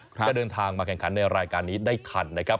จะเดินทางมาแข่งขันในรายการนี้ได้ทันนะครับ